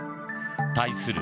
対する